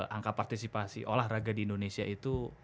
angka partisipasi olahraga di indonesia itu